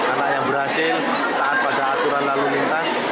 anak yang berhasil taat pada aturan lalu lintas